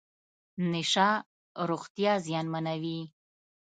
نشه روغتیا زیانمنوي .